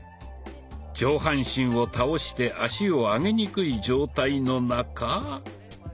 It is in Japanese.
上半身を倒して足を上げにくい状態の中。